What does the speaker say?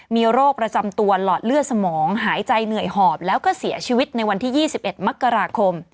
มีโรคประจำตัวหลอดเลือดสมองหายใจเหนื่อยหอบแล้วก็เสียชีวิตในวันที่๒๑มกราคม